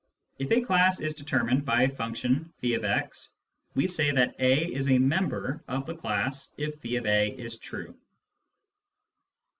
(If a class is determined by a function (f>x, we say that a is a " member " of the class if <j>a is true.)